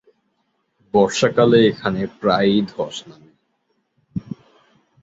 বর্ষাকালে এখানে প্রায়ই ধস নামে।